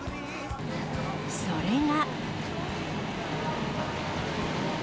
それが。